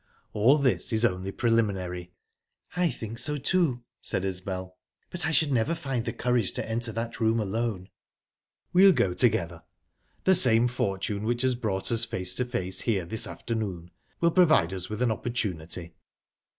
All this is only preliminary." "I think so, too," said Isbel. "But I should never find the courage to enter that room alone." "We'll go together. The same fortune which has brought us face to face here this afternoon will provide us with an opportunity."